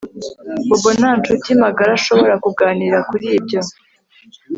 Bobo nta nshuti magara ashobora kuganira kuri ibyo